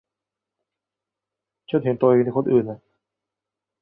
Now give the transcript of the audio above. เห็นตัวเองในคนอื่น